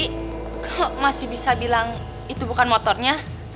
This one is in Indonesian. kalau masih bisa bilang itu bukan motornya